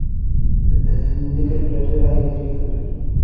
Nickel প্লেটের, ivory handle.